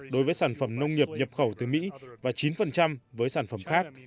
đối với sản phẩm nông nghiệp nhập khẩu từ mỹ và chín với sản phẩm khác